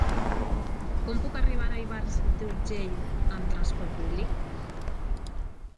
Com puc arribar a Ivars d'Urgell amb trasport públic?